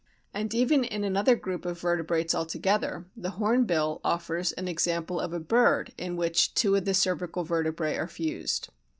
And even in another group of vertebrates altogether, the Hornbill offers an example of a bird in which two of the cervical vertebrae are fused.